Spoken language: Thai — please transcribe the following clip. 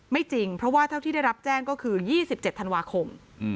จริงเพราะว่าเท่าที่ได้รับแจ้งก็คือ๒๗ธันวาคม